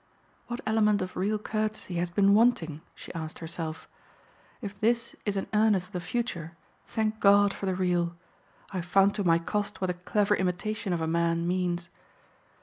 "What element of real courtesy has been wanting?" she asked herself. "If this is an earnest of the future, thank God for the real. I've found to my cost what a clever imitation of a man means."